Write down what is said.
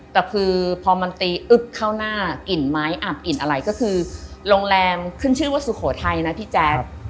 แต่คือพอมันตีอึ๊กเข้าหน้ากลิ่นไม้อับกลิ่นอะไรก็คือโรงแรมขึ้นชื่อว่าสุโขทัยนะพี่แจ๊ค